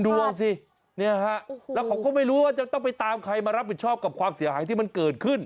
ดูสิเนี่ยฮะแล้วเขาก็ไม่รู้ว่าจะต้องไปตามใครมารับผิดชอบกับความเสียหายที่มันเกิดขึ้น